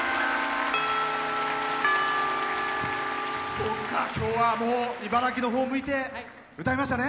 そうか、今日はもう茨城のほうを向いて歌いましたね。